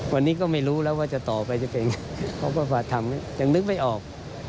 วันนี้ก็ไม่รู้แล้วว่าจะต่อไปจะเป็นไงเขาก็มาทำยังนึกไม่ออก